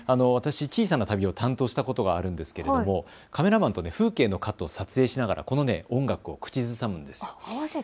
小さな旅を担当したことがあるんですけれどもカメラマンと風景のカットを撮影しながら、この音楽を口ずさむんです。